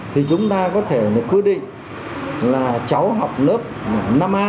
thì chúng ta có thể quy định là cháu học lớp năm a